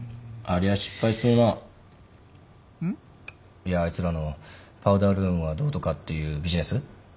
いやあいつらのパウダールームがどうとかっていうビジネス？